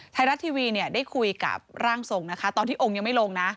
ไทยรัฐทีวีเนี่ยได้คุยกับร่างทรงนะคะตอนที่องค์ยังไม่ลงนะ